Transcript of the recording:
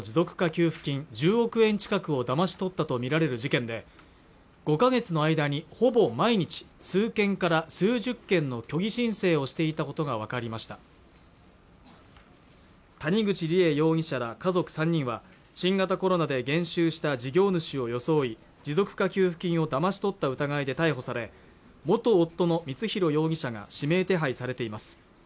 給付金１０億円近くをだまし取ったと見られる事件で５か月の間にほぼ毎日数件から数十件の虚偽申請をしていたことが分かりました谷口梨恵容疑者ら家族３人は新型コロナで減収した事業主を装い持続化給付金をだまし取った疑いで逮捕され元夫の光弘容疑者が指名手配されています